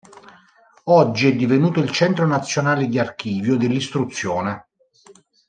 Oggi è divenuto il centro nazionale di archivio dell'istruzione.